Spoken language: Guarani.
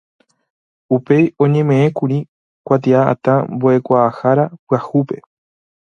Upéi oñemeʼẽkuri kuatiaʼatã Mboʼekuaahára pyahúpe.